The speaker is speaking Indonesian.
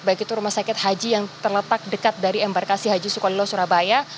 baik itu rumah sakit haji yang terletak dekat dari embarkasi haji sukolilo surabaya